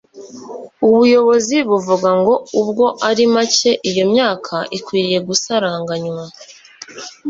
ubuyobozi buvuga ngo ubwo ari make iyo myanya ikwiriye gusaranganywa